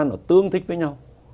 nó tương thích với nhau